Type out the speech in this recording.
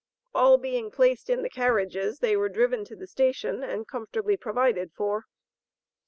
All being placed in the carriages, they were driven to the station and comfortably provided for.